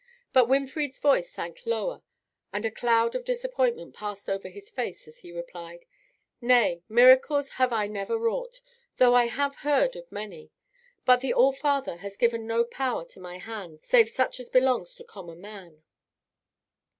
But Winfried's voice sank lower and a cloud of disappointment passed over his face as he replied: "Nay, miracles have I never wrought, though I have heard of many; but the All Father has given no power to my hands save such as belongs to common man."